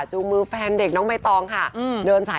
จูงมือแฟนเด็กน้องใบตองค่ะ